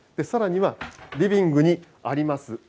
さらにはリビングにあります